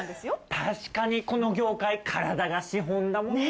確かにこの業界体が資本だもんねぇ。